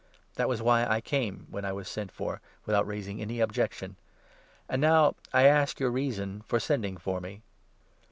That was why I came, when I 29 was sent for, without raising any objection. And now I ask your reason for sending for me."